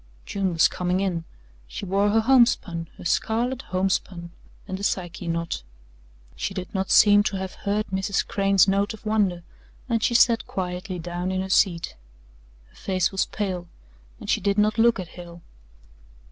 June was coming in she wore her homespun, her scarlet homespun and the Psyche knot. She did not seem to have heard Mrs. Crane's note of wonder, and she sat quietly down in her seat. Her face was pale and she did not look at Hale.